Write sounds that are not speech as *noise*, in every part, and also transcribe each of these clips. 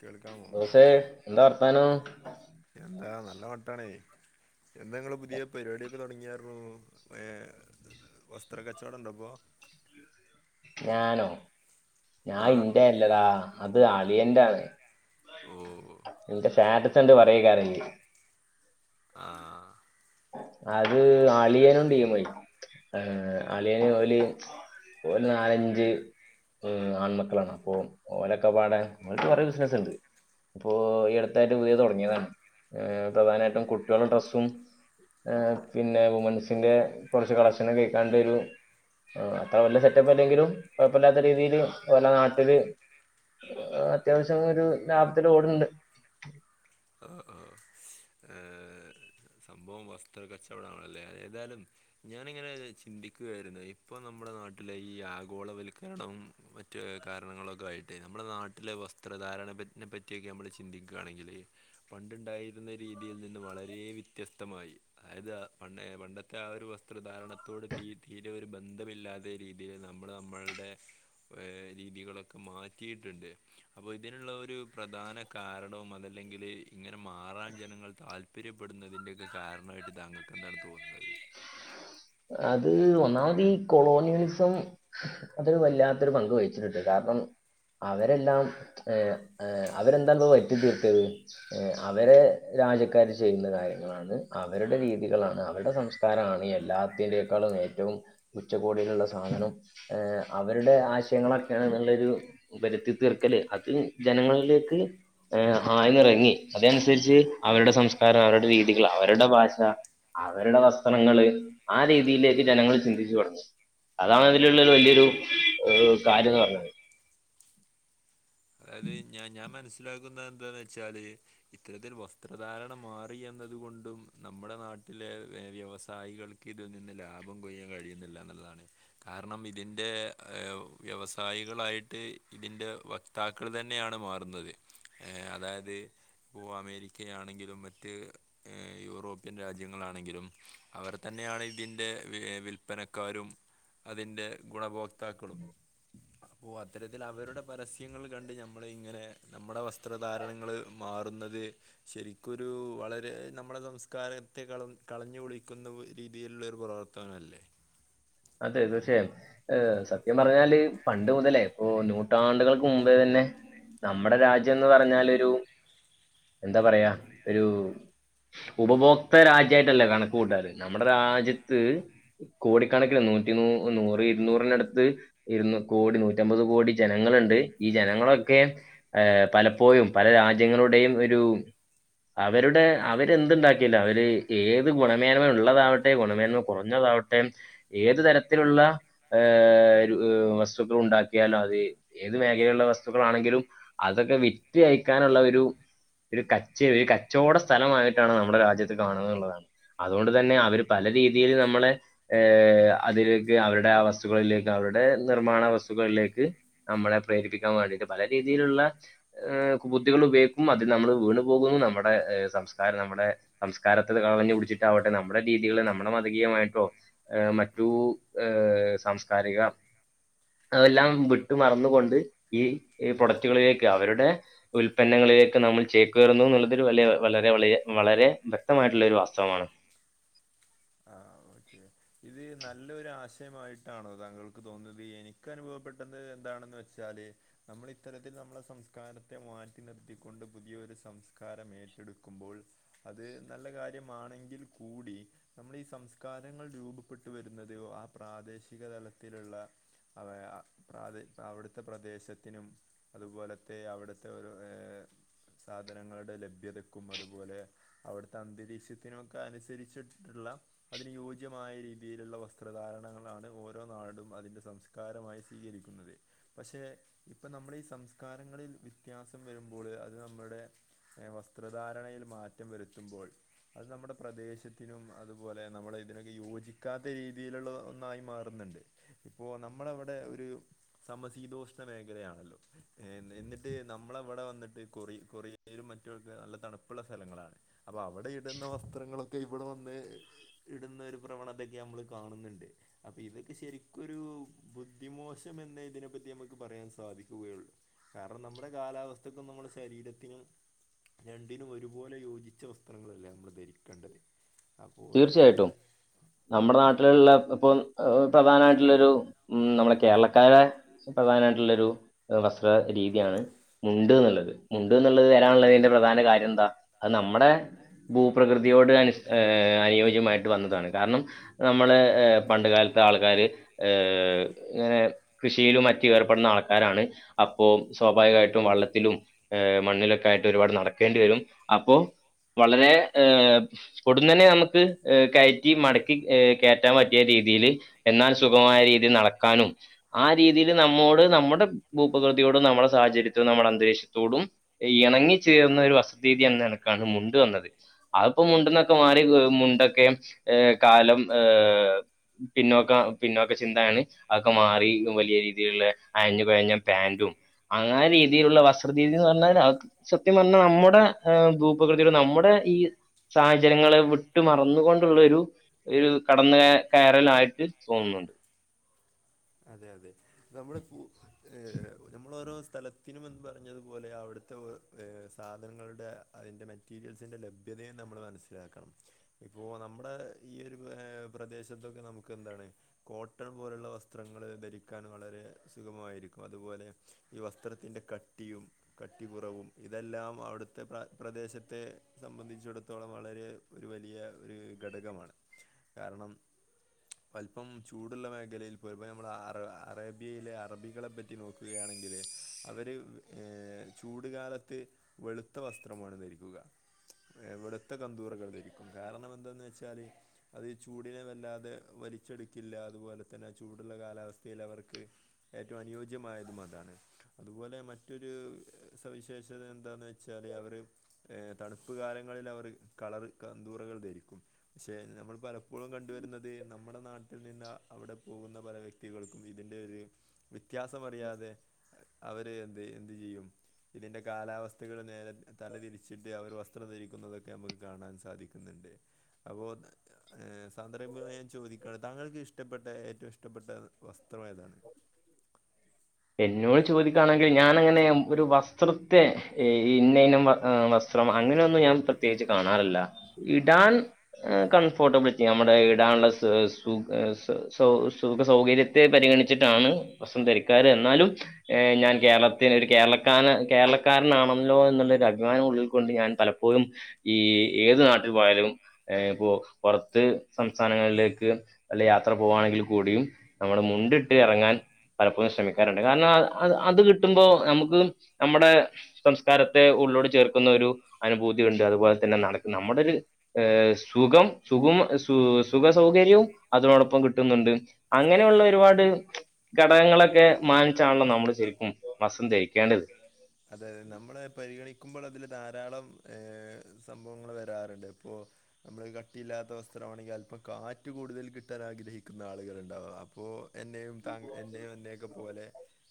കേൾക്കാമോ ബോസെ എന്താ വർത്താനം എന്താ നല്ല മട്ടാണേ എന്താ ങ്ങള് പുതിയ പരിപാടിയൊക്ക തൊടങ്ങിയർഞു ഏ വസ്ത്ര കച്ചോടം ണ്ടപ്പോ ഞാനോ ഞാ ആഹ് ഇന്റെ അല്ലടാ അത് അളിയന്റാണ് ഓ ഇന്റ സ്റ്റാറ്റസ് കണ്ട് പറയ് കാരലെ ആഹ് അത് അളിയനും ടീമും ആയി അളിയ ഒളി ഒര് നാലഞ്ച് ആൺമക്കളാണ് അപ്പൊ ഓരക്കപാടാൻ ഓരക്ക് ഓരോ ബിസിനസ്സ്ണ്ട് പ്പോ ഈ അടുത്തായിട്ട് പുതിയത് തുടങ്ങിയതാണ് പ്രധാനായിട്ടും കുട്ട്യോൾടെ ഡ്രസ്സും ഏഹ് പിന്നെ വുമൺസിന്റെ കൊർച്ച് കളക്ഷനു ഏക്കാണ്ടൊരു ആ അത്ര വല്യ സെറ്റപ്പ് അല്ലെങ്കിലും കൊഴപ്പല്ലാത്ത രീതിയില് വല്ല നാട്ടില് അത്യാവശ്യം ഒരു ലാബത്തില് ഓടണണ്ട് ആഹ് ആഹ് ഏഹ് സംഭവം വസ്ത്ര കച്ചവടാണല്ലേ എതായാലും ഞാനിങ്ങനെ ചിന്തിക്കുകയായിരുന്ന് ഇപ്പൊ നമ്മുടെ നാട്ടിലെ ഈ ആഗോളവൽക്കരണം വ റ്റ് കാരണങ്ങളൊക്കായിട്ട് നമ്മ്ടെ നാട്ടിലെ വസ്ത്രധാരണപ്പ നെപ്പറ്റിയൊക്കെ നമ്മള് ചിന്തിക്കയാണെങ്കില് പണ്ടുണ്ടായിരുന്ന രീതിയിൽ നിന്ന് വളരേ വിത് ത്യസ്തമായി അതായത് അ പണ്ടെ പണ്ടത്തെ ആ ഒരു വസ്ത്രധാരണത്തോട് തീ തീരെ ഒരു ബ ന്തമില്ലാതെ രീതിയിൽ നമ്മള് നമ്മൾടെ രീതികളൊക്കെ മാറ്റിയിട്ട്ണ്ട് അപ്പൊ ഇതിനുള്ള ഒരു പ്രധാന കാരണവും അതല്ലെങ്കില് ഇങ്ങനെ മാറാൻ ജനങ്ങൾ താല്പര്യപ്പെടുന്നതിന്റെയൊക്കെ കാരണായിട്ട് താങ്കക്ക് എന്താണ് തോന്നുന്നത് അത് ഒന്നാമതീ കൊളോണിയൊലിസം അതൊരു വല്ലാത്തൊരു പങ്ക് വഹിച്ചിട്ടുണ്ട് കാരണം. അവരെല്ലാം ഏഹ് എഹ് അവരെന്താന്നോവയിത്തി തീർത്തത്. ഏഹ് അവരെ രാജ്യക്കാര് ചെയ്യുന്ന കാര്യങ്ങളാണ് അവരുടെ രീതികളാണ് അവരുടെ സംശ കാരാണ് എല്ലാത്തിന്റെക്കാളും ഏറ്റവും ഉച്ചകോടികള്ടെ സാധനം ഏ അവരുടെ ആശയങ്ങളൊക്കെയാന്നുള്ളൊരു വരുത്തി തീർക്കല് അത് ജനങ്ങളിലേക്ക് ഏ ആഴ്ന്നിറങ്ങി അതനുസരിച്ച് അവരുടെ സംസ്കാരം അവരുടെ രീതികൾ അവരുടെ ഭാഷ അവരുട വസ്ത്രങ്ങള് ആ രീതിയിലേക്ക് ജനങ്ങള് ചിന്തിച്ചു *unintelligible* അതാണതിലുള്ളൊരു വലിയൊരു കാര്യം എന്ന് പറഞ്ഞത്. അത് ഞാ ഞാമനസ്സിലാക്കുന്ന എന്താന്ന് വച്ചാല് ഇത്തരത്തിൽ വസ്ത്രധാരണം മാറി എന്നത് കൊണ്ടും നമ്മുടെ നാട്ടിലെ വ്യവസായികൾ ഇതിൽ നിന്ന് ലാഭം കൊയ്യാൻ കഴിയുന്നില്ല എന്നുള്ളതാണ്. കാരണം ഇതിന്റെ വ്യവസായികളായിട്ട് ഇതിന്റെ വൈ താക്കൾ തന്നെയാണ് മാറുന്നത് ഏഹ് അതായത്? ഇപ്പോൾ അമേരിക്കയാണെങ്കിലും മറ്റ്. ഏഹ് യൂറോപ്യൻ രാജ്യങ്ങളാണെങ്കിലും അവര് ത്തന്നെയാണ് ഇതിന്റെ വില്പ്പനക്കാരും. അതിന്റെ ഗുണഭോക്താക്കളും അപ്പോ അത്തരത്തിൽ അവരുടെ പരസ്യ ങ്ങൾ കണ്ട് ഞമ്മള് ഇങ്ങനെ നമ്മുടെ വസ്ത്രധാരണങ്ങള് മാറുന്നത്. ശരിക്ക് ഒരു വളരെ നമ്മുടെ സംസ്കാരത്തെ കള കളഞ്ഞു കുളിക്കുന്ന രീതിയിലുള്ള ഒരു പ്രവർത്ത ത്തനല്ലേ? അതെതേ തീർച്ചയായും എ സത്യം പറഞ്ഞാല് പണ്ട് മുതലേ ഇപ്പൊ നൂറ്റാണ്ടുകൾ ക്ക് മുമ്പേ തന്നെ നമ്മുടെ രാജ്യംന്ന് പറഞ്ഞാല് ഒരു എന്താ പറയാ ഒരു ഉപഭോക്ത രാജ്യായിട്ടല്ലേ കണക്ക് കൂട്ടാറ് നമ്മുടെ രാജ്യത്ത് കോടി കണക്കില് നൂറ്റി നൂ നൂറി ഇരുന്നൂറിനടുത്ത്. ഇരുന്ന് കോടി നൂറ്റമ്പത് കോടി ജനങ്ങളുണ്ട് ഈ ജനങ്ങളൊക്കെ? ഏഹ് പലപ്പോഴും പല രാജ്യങ്ങളുടെയും ഒരു അവരുടെ അവരെന്തുണ്ടാക്കിയാലും അവര് ഏത് ഗുണമേന്മ ഉള്ളതാവട്ടെ ഗുണമേന്മ കുറഞ്ഞതാവട്ടെ?. ഏത് തരത്തിലുള്ള ഏ രു വസ്തുക്കൾ ഉണ്ടാക്കിയാലും അത് ഏത് മേഖലയിലുള്ള വസ്തുക്കളാണെങ്കിലും അതൊക്കെ വിറ്റ് അയക്കാനുള്ള ഒരു ഒരു കച്ച് ഒരു കച്ചവട സ്ഥലമായിട്ടാണ് നമ്മുടെ രാജ്യത്ത് കാണുന്നത് ന്നുള്ളതാണ്. അതുകൊണ്ട് തന്നെ അവര് പല രീതിൽ നമ്മളെ ഏഹ് അതിലേക്ക് അവരുടെ ആ വസ്തുക്കളിലേക്ക് അവരുടെ നിർമ്മാണ വസ്തുക്കളിലേക്ക്. നമ്മളെ പ്രേരിപ്പിക്കാൻ വേണ്ടിയിട്ട് പല രീതിയിലുള്ള ഏഹ് ബുദ്ധികൾ ഉപയോഗിക്കും അതിൽ നമ്മൾ വീണു പോകുന്നു നമ്മുടെ സംസ്കാരം നമ്മുടെ സംസ്കാരത്തിനു കളഞ്ഞു കുളിച്ചിട്ടാവട്ടെ നമ്മുടെ രീതികള് നമ്മുടെ മതകീയമായിട്ടോ? ഏഹ് മറ്റു ഏ സാംസ്കാരിക തെല്ലാം വിട്ട് മറന്നുകൊണ്ട് ഈ ഈ പ്രൊഡക്റ്റുകളിലേക്ക് അവരുടെ ഉൽപന്നങ്ങളിലേക്ക് നമ്മൾ ചെക്കേറുന്നു എന്നുള്ളതു വ വളരെ വളിയ വളരെ വ്യക്തമായിട്ടുള്ള ഒരു വാസ്തവമാണ് ആ ഓക്കെ ഇത് നല്ലൊരു ആശയമായിട്ടാണോ താങ്കൾക്ക് തോന്നുന്നത് എനിക്ക് അനുഭവപ്പെട്ടത് എന്താണെന്ന് വെച്ചാ ച്ചാല് നമ്മൾ ഇത്തരത്തിൽ നമ്മുടെ സംസ്കാരത്തെ മാറ്റി നിർത്തിക്കൊണ്ട് പുതിയൊരു സംസ്കാരം ഏറ്റെടുക്കുമ്പോൾ അത് നല്ല കാര്യമാണെങ്കിൽ കൂടി നമ്മളീ സംസ്കാരങ്ങൾ രൂപപ്പെട്ടു വരുന്നതെയോ ആ പ്രാദേശിക തലത്തിലുള്ള അവ ആ പ്രാദേ അവിടുത്തെ പ്രദേശത്തിനും അതുപോലത്തെ അവിടുത്തെ ഒരു ഏ സാധനങ്ങളുടെ ലഭ്യതക്കും അതുപോലെ അവിടുത്തെ അന്തരീക്ഷത്തിനൊക്കെ അനുസരിച്ചിട്ടിട്ടുള്ള അതിനു യോജി അനുയോജ്യമായ രീതിയിലുള്ള വസ്ത്രധാരണങ്ങളാണ് ഓരോ നാടും അതിൻ്റെ സംസ്കാരമായി സ്വീകരിക്കുന്നത് പക്ഷെ ഇപ്പൊ നമ്മൾ ഈ സംസ്കാരങ്ങളിൽ വ്യത്യാസം വരുമ്പോള് അത് നമ്മുടെ ഏ വസ്ത്രധാരണയിൽ മാറ്റം വരുത്തുമ്പോൾ അത് നമ്മുടെ പ്രദേശത്തിനും അതുപോലെ നമ്മളെ. ഇതിനൊക്കെ യോജിക്കാത്ത രീതിയിലുള്ള ഒന്നായി മാറുന്നുണ്ട് ഇപ്പോ നമ്മളവിടെ ഒരു സമ ശീതോഷ്ണ മേഖലയാണല്ലോ എന്നിട്ട് നമ്മളവിടെ വന്നിട്ട് കൊറി കൊറിയയിലും മറ്റുമൊക്കെ നല്ല തണുപ്പുള്ള സ്ഥലങ്ങളാണ് അപ്പൊ അവിടെ ഇടുന്ന വസ്ത്രങ്ങളൊക്കെ ഇവിടെ വന്ന് ഇടുന്നെ ഒരു പ്രവണതയൊക്കെ നമ്മൾ കാണുന്നുണ്ട് അപ്പൊ ഇതൊക്കെ ശരിക്കൊരു ബുദ്ധിമോശം എന്നെ ഇതിനെപ്പറ്റി നമുക്ക് പറയാൻ സാധിക്കുകയുള്ളു കാരണം നമ്മുടെ കാലാവസ്ഥക്കും നമ്മുടെ ശരീരത്തിനും. രണ്ടിനും ഒരുപോലെ യോജിച്ച വസ്ത്രങ്ങളല്ലേ നമ്മൾ ധരിക്ക. തീർച്ചയായിട്ടും. നമ്മുടെ നാട്ടിലുള്ള ഇപ്പൊ പ്രധാനമായിട്ടുള്ളരു ഉ നമ്മളെ കേരളക്കാരെ. പ്രധാനമായിട്ടുള്ളൊരു വസ്ത്ര രീതിയാണ് മുണ്ട് ന്നുള്ളത്. മുണ്ട് ന്നുള്ളത് വരാനുള്ളതിന്റെ പ്രധാന കാര്യം എന്താ അത് നമ്മുടെ ഭൂ പ്രകൃതിയോട് അ അനുയോജ്യമായിട്ട് വന്നതാണ് കാരണം. നമ്മള് പണ്ട്കാലത്തെ ആൾക്കാര് ഏ ഇങ്ങനെ കൃഷിയിലും മറ്റ ഏർപ്പെടുന്ന ആൾക്കാരാണ്. അപ്പോ സ്വാഭാവികമായിട്ടും വള്ളത്തിലും ഏ് മണ്ണിലൊക്കെ ആയിട്ട് ഒരുപാട് നടക്കേണ്ടി വരും അപ്പോ. വളരെ ഏ കൊടുന്നന്നെ നമുക്ക് കയറ്റി മടക്കി കയറ്റാൻ പറ്റിയ രീതിയിയില്. എന്നാൽ സുഖമായ രീതിയിൽ നടക്കാനും. ആ രീതിയിൽ നമ്മോട് നമ്മുടെ ഭൂപ്രകൃതിയോടും നമ്മുടെ സാഹചര്യത്തോട നമ്മുടെ അന്തരീക്ഷത്തോടും. ഇണങ്ങി ചേർന്ന ഒരു വസ ത്ര രീതി എന്ന നിലക്കാണ് മുണ്ടുവന്നത്. അതിപ്പോ മുണ്ട്ന്നൊക്കെ മാറി മുണ്ടൊക്കെ ഏ കാലം ഏ പിന്നോക്ക പിന്നോക്ക ചിന്തയാണ്. അതൊക്കെ മാറി ഇപ്പൊ വലിയ രീതിയിലുള്ള അയഞ്ഞു കൊയഞ്ഞ പാൻറും. അങ്ങനെ രീതിയിലുള്ള വസ്ത്രധീതി എന്ന് പറഞ്ഞാൽ അത്. സത്യം പറഞ്ഞാൽ നമ്മുടെ ഭൂപകൃതിയുടെ നമ്മുടെ ഈ സാഹചര്യങ്ങളെ വിട്ടു മറന്നുകൊണ്ടുള്ള ഒരു. ഒരു കടന്ന് കയറല് ആയിട്ട് തോന്നുന്നുണ്ട്. അതെ അതെ നമ്മൾ നമ്മളോരോ സ്ഥലത്ത്. ത്തിനുംമുന്ന് പറഞ്ഞതുപോലെ അവിടുത്തെ സാധനങ്ങളുടെ അതിൻ്റെ മെറ്റീരിയൽസിൻ്റെ ലഭ്യതയും നമ്മൾ മനസ്സില ഇലാക്കണം. ഇപ്പോൾ നമ്മുടെ ഈ ഒരു പ്രദേശത്തൊക്കെ നമുക്ക് എന്താണ് കോട്ടൺ പോലുള്ള വസ് വസ്ത്രങ്ങൾ ധരിക്കാൻ വളരെ സുഗമമായിരിക്കും അതുപോലെ ഈ വസ്ത്രത്തിൻ്റെ കട്ടിയും. കട്ടി കുറവും ഇതെല്ലാം അവിടുത്തെ പ്ര പ്രദേശത്തെ സംബന്ധിച്ചിടത്തോളം വളരെ. ഒരു വലിയ ഒരു ഘടകമാണ് കാരണം. അല്പം ചൂടുള്ള മേഖലയിൽ. പോരുമ്പ ഞമ്മള് അറ അറേബ്യയിലെ അറബികളെപ്പറ്റി നോക്കുകയാണെങ്കില് അവര്. ഏഹ് ചൂടുകാലത്ത് വെളുത്ത വസ്ത്രമാണ് ധരിക്കുക. എവിടത്തെ കന്തൂറകൾ ധരിക്കും കാരണമെന്തെന്ന് വെച്ചാല്. അത് ചൂടിനെ വല്ലാതെ വലിച്ചെടുക്കില്ല അതുപോലെ തന്നെ ചൂടുള്ള കാലാവസ്ഥയിൽ അവർക്ക്. ഏറ്റവും അനുയോജ്യമായതും അതാണ്. അതുപോലെ മറ്റൊരു സവിശേഷത എന്താന്ന് വെച്ചാല് അവര്. ഏ തണുപ്പ് കാലങ്ങളിൽ അവർ കളർ കന്തൂറകൾ ധരിക്കും. ചെ നമ്മൾ പലപ്പോഴും കണ്ടുവരുന്നത് നമ്മുടെ നാട്ടിൽ നിന്ന് അവിടെ- പോകുന്ന പല വ്യക്തികൾക്കും ഇതിന്റെ ഒരു വ്യത്യാസം അറിയാതെ. അവര് എന്തെയ് എന്ത് ചെയ്യും. ഇതിൻ്റെ കാലാവസ്ഥകൾ നേരെ തലതിരിച്ചിട്ട് അവർ വസ്ത്രം ധരിക്കുന്നതൊക്കെ നമുക്ക് കാണാൻ സാധിക്കുന്നുണ്ട്. അപ്പോ ഏ സാന്ദർഭിഗമായി ഞാൻ ചോദിക്കാണ് താങ്കൾക്ക് ഇഷ്ടപ്പെട്ട റ്റവും ഇഷ്ടപ്പെട്ട വസ്ത്രമേതാണ്? എന്നോട് ചോദിക്കാണെങ്കിൽ ഞാൻ അങ്ങനെ ഒരു വസ്ത്രത്തെ ഇന്ന ഇനം അ വസ് ത്രം അങ്ങനെയൊന്നും ഞാൻ പ്രത്യേകിച്ച് കാണാറില്ല ഇടാൻ. കംഫോർട്ടബിളിറ്റി നമ്മുടെ ഇടാനുള്ള സു സു സ സു സുഖ സൗകര്യത്തെ പരിഗണി- ച്ചിട്ടാണ് വസ്ം ധരിക്കാറ് എന്നാലും. ഏ ഞാൻ കേരളത്തിൽ ഒരു കേരളക്കാര കേരളക്കാരനാണല്ലോ എന്നുള്ളൊരു അഭിമാനം ഉള്ളിൽ കൊണ്ട് ഞാൻ. പലപ്പോഴും ഈ ഏത് നാട്ട് പോയാലും. ഏ പ്പോ പൊറത്ത് സംസ്ഥാനങ്ങളിലേക്ക്. അല്ല യാത്ര പോവാണെങ്കിൽ കൂടിയും നമ്മുടെ മുണ്ടിട്ട് എറങ്ങാൻ. പലപ്പോഴും ശ്രമിക്കാറുണ്ട് കാരണം അ അ അത് കിട്ടുമ്പോ നമുക്ക് നമ്മടെ. സംസ്കാരത്തെ ഉള്ളോട് ചേർക്കുന്ന ഒരു അനുഭൂതി ഉണ്ട് അതുപോലെ തന്നെ നട നമ്മുടെര്. ഏഹ് സുഖം സുഖും സു സുഖ സൗകര്യവും അതോടൊപ്പം കിട്ടുന്നുണ്ട്. അങ്ങനെയുള്ള ഒരുപാട്. ഘടകങ്ങളൊക്കെ മാനിച്ചാണല്ലോ നമ്മൾ ശരിക്കും വസ്ത്രം ധരിക്കേണ്ടത്. അതെ അതെ നമ്മളെ പരിഗണിക്കുമ്പൾ അതില് ധാരാളം ഏ സംഭവങ്ങൾ വരാറുണ്ട് പ്പോ. നമ്മള് കട്ടില്ലാത്ത വസ്ത്രമാണെങ്കി അല്പ്പം കാറ്റ് കൂടുതൽ കിട്ടാൻ ആഗ്രഹിക്കുന്ന ആളുകൾണ്ടാവ അപ്പോ. എന്നെയും താ എന്നെയും എന്നെയൊക്കെ പോലെ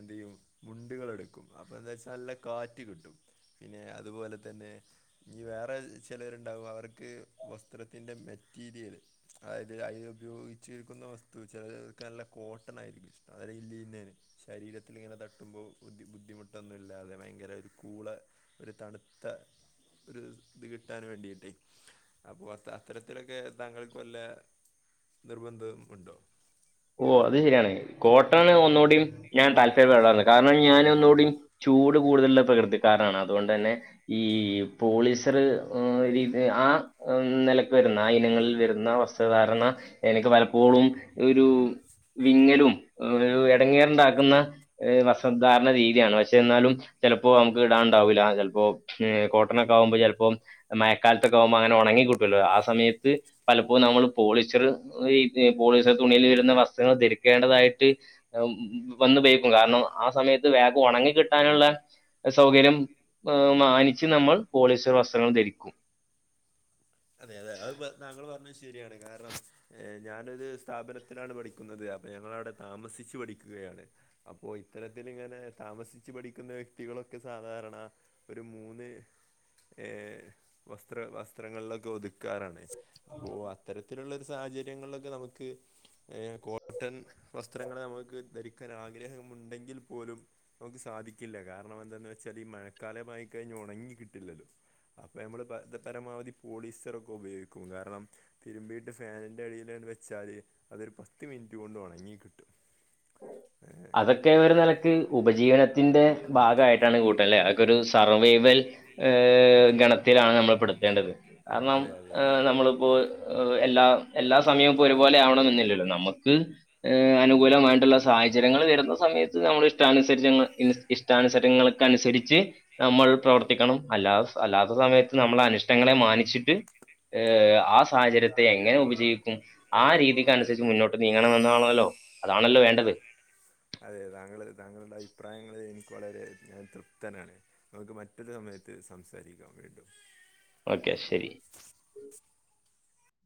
എന്തെയും മുണ്ടുകളെടുക്കും അപ്പോ ന്താച്ചാ. നല്ല കാറ്റ് കിട്ടും പിന്നെ അതുപോലെ തന്നെ. ഇനി വേറെ ചിലരുണ്ടകും അവർക്ക് വസ്ത്രത്തിൻ്റെ മെറ്റീരിയല്. ആയത് അയ്ൽ ഉപയോഗിച്ചിരിക്കുന്ന വസ്തു ചലോക് നല്ല കോട്ടൺ ആയിരിക്കും ഇഷ്- അരെ ഇല്ല ഇന്നേന് ശരീരത്തില് ങ്ങനെ തട്ടുമ്പോ ബുദ്ധി ബുദ്ധിമുട്ടന്ന്. ല്ലാതെ ഭയങ്കര ഒരു കൂള ഒരു തണുത്ത. ഒരു ത് കിട്ടൻ വേണ്ടിയിട്ടേ. അപ്പോ അത് അത്തരത്തിലൊക്കെ താങ്കൾക്ക് വല്ല നിർബന്ധം മുണ്ടോ? ഓ അത് ശരിയാണ് കോട്ടൺ ഒന്നൂടിം ഞാൻ താല്പര്യ *unintelligible* കാരണം ഞാൻ ഒന്നൂടിം. ചൂട് കൂടുതലുള്ള പ്രകൃതിക്കാരാണ് അതുകൊണ്ടെന്നെ. ഈ പോളിസർ ഉം ഇത് ആ. ഉം നെലക്ക് വരുന്ന ആ ഇനങ്ങളിൽ വരുന്ന വസ്ത്രധാരണ എനിക്ക് പലപ്പോളും ഒരു. വിങ്ങലും എടങ്ങേറുണ്ടാക്കുന്ന. ഏഹ വസധാരണ രീത്യാണ് പക്ഷേ ന്നാലും. ചെലപ്പോ അംക്ക് ഇടാണ്ടാവുല പെൽപ്പോ ഉം കോട്ടണൊക്കാവുമ്പോ ചെൽപ്പോ. മയക്കാലത്തൊക്കെ ആവുമ്പങ്ങനെ ഒണങ്ങി കിട്ടൊല്ലോ ആ സമയത്ത്. പലപ്പോ നമ്മള് പോളിസ്റ്റർ ഈ തെ പോളിസ്റ്റർ തുണിയിൽ വരുന്ന വസ്ത്രങ്ങൾ ധരിക്കേണ്ടതായിട്ട്. അം വന്ന്പെയ്ക്കും കാരണം ആ സമയത്ത് വേഗം ഒണങ്ങി കിട്ടാനുള്ള. അ സൗകര്യം അ മാനിച്ച് നമ്മൾ പോളിസ്റ്റർ വസ്ത്രങ്ങൾ ധരിക്കും. അതെ അതെ അത് പ താങ്കൾ പർഞ്ഞ ശരിയാണ് കാരണം. ഏഹ് ഞാനൊരു സ്ഥാപനത്തിലാണ് പഠിക്കുന്നത് അപ്പ ഞങ്ങളവിടെ താമസിച്ചു പഠിക്കുകയാണ്. അപ്പോ ഇത്തരത്തിൽ ഇങ്ങനെ താമസിച്ചു പഠിക്കുന്ന വ്യക്തികളൊക്കെ സാധാരണ ഒരു മൂന്ന് ഏഹ് വസ്ത്ര വസ്ത്രങ്ങളൊക്കെ ഒതുക്കാറാണ് അപ്പോ അത്തരത്തിലുള്ള സാഹചര്യങ്ങളിലൊക്കെ നമുക്ക് ഏഹ് കോട്ടൺ വസ്ത്രങ്ങളെ നമുക്ക് ധരിക്കാൻ ആഗ്രഹമ ഉണ്ടെങ്കിൽ പോലും നമുക്ക് സാധിക്കില്ല കാരണം എന്താന്ന് വെച്ചാൽ ഈ മഴക്കാലമായി കഴിഞ്ഞ് ഉണങ്ങി കിട്ടില്ലല്ലോ അപ്പൊ നമ്മള് പരമാവധി പോളിസ്റ്റർ ഒക്കെ ഉപയോഗിക്കും കാരണം തിരുമ്പിയിട്ട് ഫാനിൻന്റെ അടിൽ വെച്ചാല് അതൊരു പത്ത് മിനിറ്റ് കൊണ്ട് ഉണങ്ങി കിട്ടും *inaudible* അതൊക്കെ ഒരു നിലക്ക് ഉപജീവനത്തിന്റെ ഭാഗമായിട്ടാണ് കൂട്ടൻല്ലേ അതൊക്ക ഒരു സർവൈവൽ ഗണത്തിലാണ് നമ്മൾ പെടുത്തേണ്ടത് കാരണം അതെ അതെ അതെ നമ്മളിപ്പോ എല്ലാ എല്ലാ സമയവും ഇപ്പൊ ഒരുപോലെ ആവണം എന്നില്ലല്ലോ നമുക്ക് ഹ് അനുകൂലമായിട്ടുള്ള സാഹചര്യങ്ങൾ വരുന്ന സമയത്ത് നമ്മൾഷ്ട ഇഷ്ടാനുസ ഇഷ്ടാനുസരങ്ങൾക്ക അനുസരിച്ച് നമ്മൾ പ്രവർത്തിക്കണം അല്ലാ അല്ലാത്ത സമയത്ത് നമ്മൾ അനിഷ്ടങ്ങളെ മാനിച്ചിട്ട് ആ സാഹചര്യത്തെ എങ്ങനെ ഉപജീവിക്കും ആ രീതിക്ക അതെ അനുസരിച്ച് അതെ മുന്നോട്ട് നീങ്ങണ വന്നാണല്ലോ അതാണല്ലോ വേണ്ടത് അതെ താങ്കൾ താങ്കളുടെ അഭിപ്രായങ്ങൾ എനിക്ക് വളരെ ഞാൻ തൃപ്തനാണ് നമുക്ക് മറ്റൊരു സമയത്ത് സംസാരിക്കാം വീണ്ടും ഓക്കെ ശരി